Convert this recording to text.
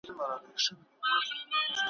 مرګ له خپله لاسه ,